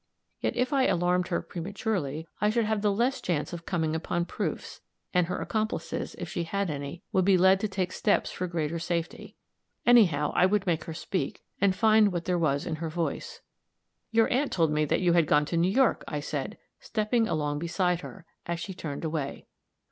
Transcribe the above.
Yet, if I alarmed her prematurely I should have the less chance of coming upon proofs, and her accomplices, if she had any, would be led to take steps for greater safety. Anyhow, I would make her speak, and find what there was in her voice. "Your aunt told me that you had gone to New York," I said, stepping along beside her, as she turned away.